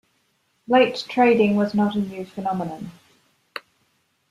Late trading was not a new phenomenon.